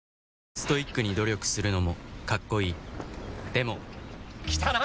ストイックに努力するのもカッコいいでも来たな！